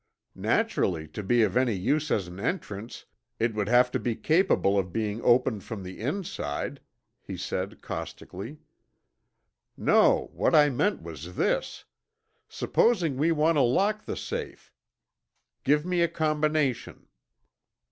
"Naturally, to be of any use as an entrance it would have to be capable of being opened from the inside," he said caustically. "No, what I meant was this. Supposing we want to lock the safe. Give me a combination."